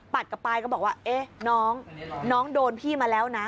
กลับไปก็บอกว่าเอ๊ะน้องน้องโดนพี่มาแล้วนะ